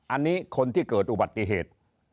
อันนี้คนที่เกิดอุบัติเหตุ